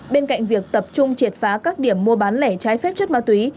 bên cạnh việc tập trung triệt phá các điểm mua bán lẻ trái phép chất ma túy